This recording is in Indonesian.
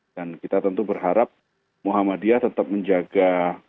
dan kita tentu berharap muhammadiyah tetap menjaga